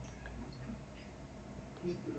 Goldschmidt nació en Zúrich, Suiza.